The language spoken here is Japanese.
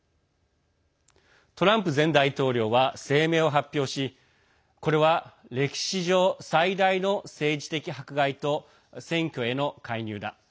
トランプ前大統領は声明を発表しこれは歴史上最大の政治的迫害と選挙への介入だ。